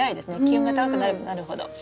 気温が高くなればなるほど。